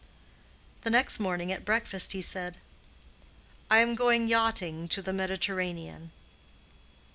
The next morning at breakfast he said, "I am going yachting to the Mediterranean."